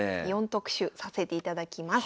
４特集させていただきます。